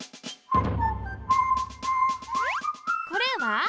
これは軒。